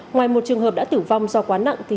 ngoài một trường hợp đã tử vong do quá nặng